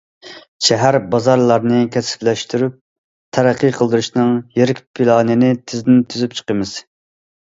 شەھەر بازارلارنى كەسىپلەشتۈرۈپ تەرەققىي قىلدۇرۇشنىڭ يىرىك پىلانىنى تېزدىن تۈزۈپ چىقىمىز.